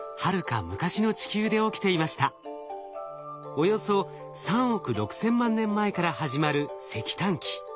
およそ３億６千万年前から始まる石炭紀。